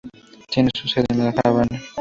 Tiene su sede en La Habana.